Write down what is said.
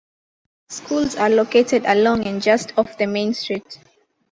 Schools are located along and just off the main street.